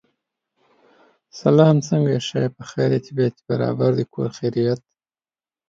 Guest appearances include Mr. Eon and Copywrite.